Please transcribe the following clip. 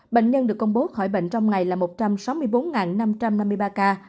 bệnh nhân được công bố khỏi bệnh trong ngày là một trăm sáu mươi bốn năm trăm năm mươi ba ca